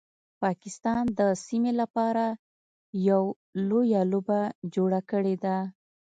پاکستان د سیمې لپاره یو لویه لوبه جوړه کړیده